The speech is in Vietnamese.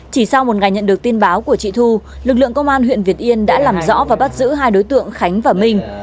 chỉ sau một ngày nhận được tin báo của chị thu lực lượng công an huyện việt yên đã làm rõ và bắt giữ hai đối tượng khánh và minh